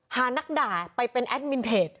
นักด่าไปเป็นแอดมินเพจ